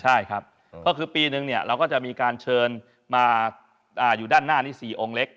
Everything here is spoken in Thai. ใช่ครับก็คือปีนึงเนี่ยเราก็จะมีการเชิญมาอยู่ด้านหน้านี้๔องค์เล็ก